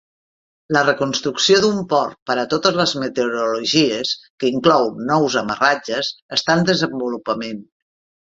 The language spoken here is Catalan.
La reconstrucció d'un port per a totes les meteorologies, que inclou nous amarratges, està en desenvolupament.